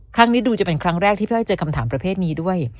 ครั้งนี้ดูจะเป็นครั้งแรกที่พี่อ้อยเจอคำถามประเภทนี้ด้วย